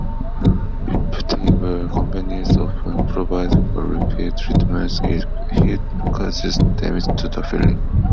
Reputable companies often provide for repeat treatments if heat causes damage to the filling.